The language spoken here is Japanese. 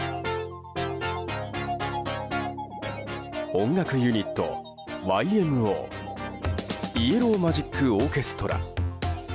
音楽ユニットＹＭＯイエロー・マジック・オーケストラ。